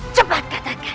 lebih baik aku mati